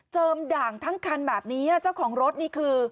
ด่างทั้งคันแบบนี้เจ้าของรถนี่คือ